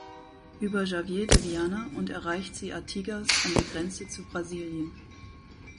Über Javier de Viana und erreicht sie Artigas an der Grenze zu Brasilien.